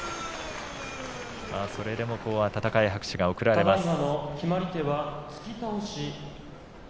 それでも温かい拍手が送られます。